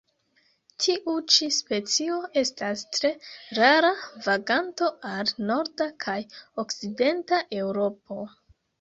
Tiu ĉi specio estas tre rara vaganto al norda kaj okcidenta Eŭropo.